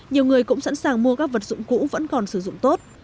nhiều người cũng sẵn sàng mua các vật dụng cũ vẫn còn sử dụng tốt